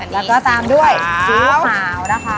แล้วก็ตามด้วยสีขาวนะคะ